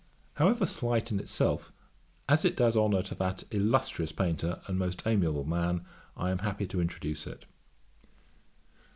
However slight in itself, as it does honour to that illustrious painter, and most amiable man, I am happy to introduce it.